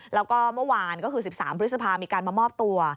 แล้วก็เมื่อวานก็คือ๑๓พฤษภามีการมามอบตัว